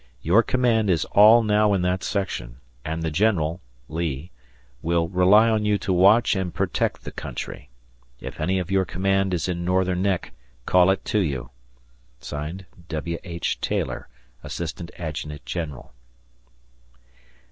Your command is all now in that section, and the general (Lee) will rely on you to watch and protect the country. If any of your command is in Northern Neck, call it to you. W. H. Taylor, Assistant Adjutant General.